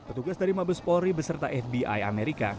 petugas dari mabes polri beserta fbi amerika